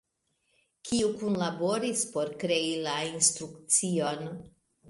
Kiu kunlaboris por krei la instrukcion?